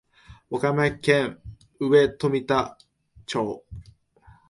和歌山県上富田町